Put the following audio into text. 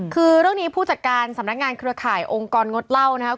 คือเรื่องนี้ผู้จัดการสำนักงานเครือข่ายองค์กรงดเล่านะครับ